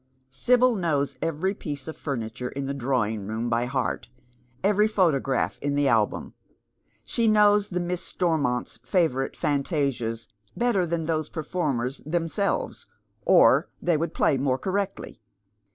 Sibyl knows every piece of furniture in the drawing room by heart, every photograph in tlie album. She knows the Mis's Stormont's favourite fantasias better than those performers themselves, or they would play more correctly.